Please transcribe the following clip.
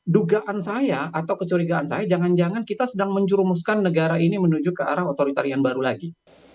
dugaan saya atau kecurigaan saya jangan jangan kita sedang menjurumuskan negara ini menuju ke arah otoritarian baru lagi